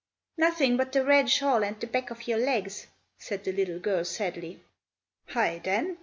"Nothing but the red shawl and the back of your legs," said the little girl, sadly. "Hi, then!"